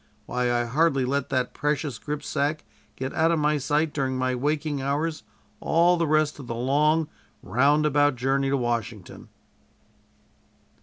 Why, I hardly let that precious gripsack get out of my sight during my waking hours all the rest of the long roundabout journey to Washington."